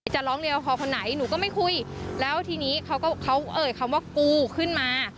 จะร้องเรียนพอคนไหนหนูก็ไม่คุยแล้วทีนี้เขาก็เขาเอ่ยคำว่ากูขึ้นมา